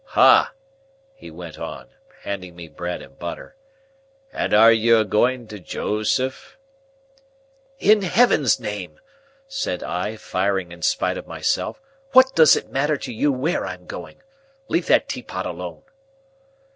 "Hah!" he went on, handing me the bread and butter. "And air you a going to Joseph?" "In heaven's name," said I, firing in spite of myself, "what does it matter to you where I am going? Leave that teapot alone."